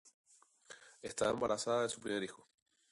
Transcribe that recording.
Estaba embarazada de su primer hijo.